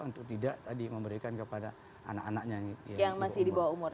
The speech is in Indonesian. untuk tidak tadi memberikan kepada anak anaknya yang di bawah umur